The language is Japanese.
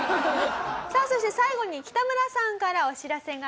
そして最後に北村さんからお知らせがあります。